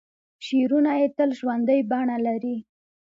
شعرونه یې تل ژوندۍ بڼه لري.